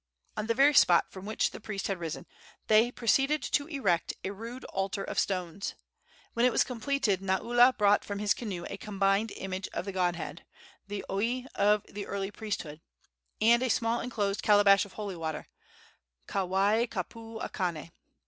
On the very spot from which the priest had risen they proceeded to erect a rude altar of stones. When it was completed Naula brought from his canoe a combined image of the godhead the Oie of the early priesthood and a small enclosed calabash of holy water ka wai kapu a Kane.